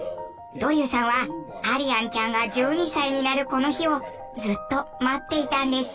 ドリューさんはアリアンちゃんが１２歳になるこの日をずっと待っていたんです。